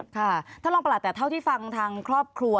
ท่านรองประหลัดแต่เท่าที่ฟังทางครอบครัว